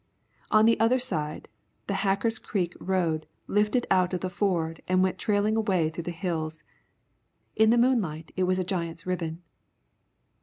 On the other side, the Hacker's Creek road lifted out of the ford and went trailing away through the hills. In the moonlight it was a giant's ribbon.